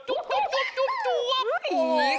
ดูว่าผี